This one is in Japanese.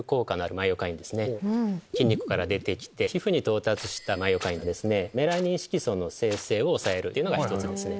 筋肉から出てきて皮膚に到達したマイオカインがメラニン色素の生成を抑えるのが１つですね。